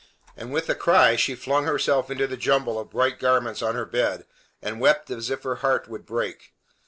And with a cry she flung herself into the jumble of bright garments on her bed, and wept as if her heart would break.